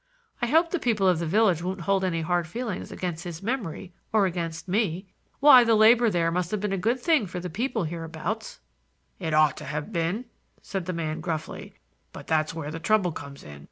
I hope the people of the village won't hold any hard feelings against his memory or against me. Why, the labor there must have been a good thing for the people hereabouts." "It ought to have been," said the man gruffly; "but that's where the trouble comes in.